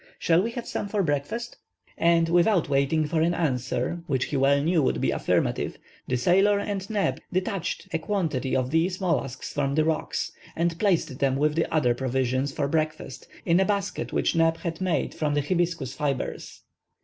Shall we have some for breakfast?" And, without waiting for an answer, which he well knew would be affirmative, the sailor and Neb detached a quantity of these mollusks from the rocks, and placed them with the other provisions for breakfast, in a basket which Neb had made from the hibiscus fibres.